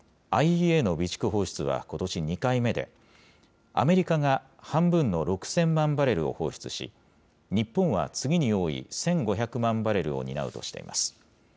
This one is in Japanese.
ＩＥＡの備蓄放出はことし２回目で、アメリカが半分の６０００万バレルを放出し、日本は次に多い１５００万バレルを担うとしています。